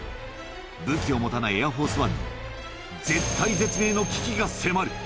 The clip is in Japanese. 武器を持たないエアフォースワンに、絶体絶命の危機が迫る。